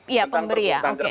iya tentang perbuatan cabul